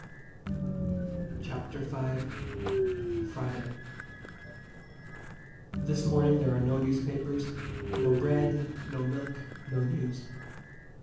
CHAPTER V. FRIDAY. This morning there are no newspapers, no bread, no milk, no news.